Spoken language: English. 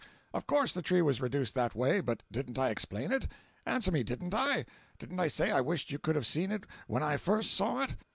Of course the tree was reduced that way, but didn't I explain it? Answer me, didn't I? Didn't I say I wished you could have seen it when I first saw it?